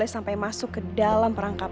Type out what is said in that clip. siti kamu bisa begini